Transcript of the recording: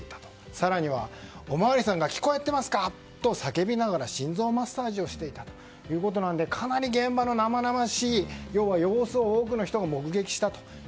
更には、お巡りさんが聞こえてますか？と叫びながら心臓マッサージをしていたということなのでかなり現場の生々しい様子を多くの人が目撃したと。